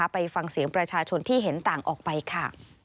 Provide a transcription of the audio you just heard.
ไปฟังเสียงประชาชนที่เห็นต่างออกไปค่ะ